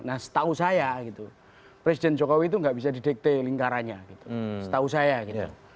nah setahu saya gitu presiden jokowi itu nggak bisa didikte lingkarannya gitu setahu saya gitu